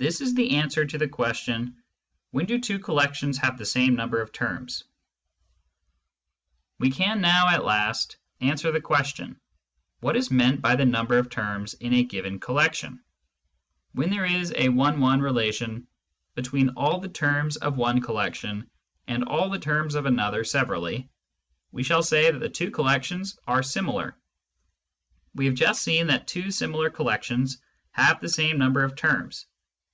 This is the answer to the question : When do two collections have the same number of terms ? We can now at last answer the question : What is meant by the number of terms in a given collection ? When there is a one one relation between all the terms of one collection and all the terms of another severally, we Digitized by Google 204 SCIENTIFIC METHOD IN PHILOSOPHY shall say that the two collections are "similar." We have just seen that two similar collections have the same number of terms.